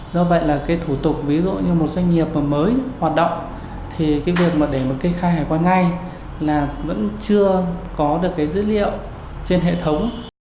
do vậy là cái thủ tục ví dụ như một doanh nghiệp mới hoạt động thì cái việc mà để một cái khai hải quả ngay là vẫn chưa có được cái dữ liệu trên hệ thống